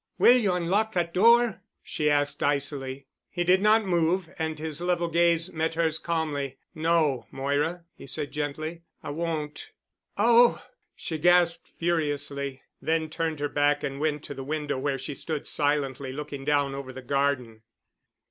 "Will you unlock that door?" she asked icily. He did not move and his level gaze met hers calmly. "No, Moira——" he said gently, "I won't." "Oh!" she gasped furiously, then turned her back and went to the window where she stood silently looking down over the garden.